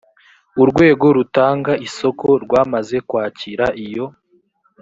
urwego rutanga isoko rwamaze kwakira iyo